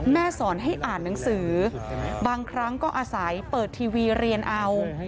สอนให้อ่านหนังสือบางครั้งก็อาศัยเปิดทีวีเรียนเอา